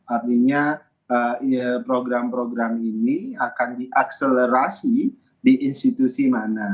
artinya program program ini akan diakselerasi di institusi mana